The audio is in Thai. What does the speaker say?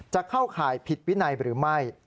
จะเข้าข่ายผิดวินัยหรือไม่